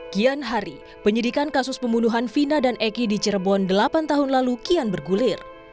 kian hari penyidikan kasus pembunuhan vina dan eki di cirebon delapan tahun lalu kian bergulir